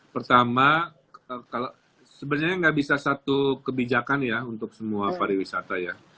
pertama sebenarnya nggak bisa satu kebijakan ya untuk semua pariwisata ya